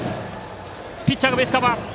ピッチャーがベースカバー。